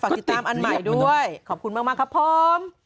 ติดตามอันใหม่ด้วยขอบคุณมากครับผม